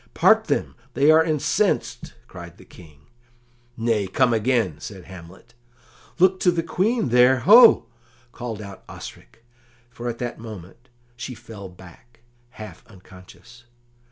"Part them; they are incensed!" cried the King. "Nay, come again," said Hamlet. "Look to the Queen there, ho!" called out Osric, for at that moment she fell back, half unconscious.